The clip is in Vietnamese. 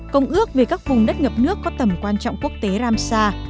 công ước về các vùng đất ngập nước có tầm quan trọng quốc tế ramsar